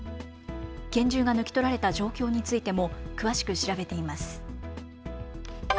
拳銃が抜き取られた状況についても詳しく調べています。